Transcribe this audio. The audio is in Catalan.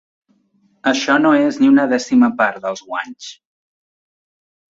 Això no és ni una dècima part dels guanys.